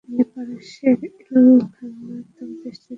তিনি পারস্যের ইলখানাত প্রতিষ্ঠা করেন।